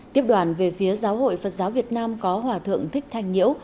tiếp đoàn về phía giáo hội phật giáo việt nam có hòa thượng thích thanh nhiễu